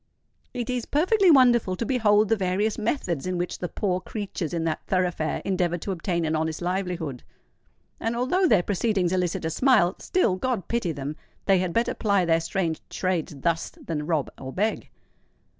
It is perfectly wonderful to behold the various methods in which the poor creatures in that thoroughfare endeavour to obtain an honest livelihood; and although their proceedings elicit a smile—still, God pity them! they had better ply their strange trades thus than rob or beg!